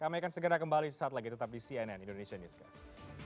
kami akan segera kembali suatu saat lagi tetap di cnn indonesian news guys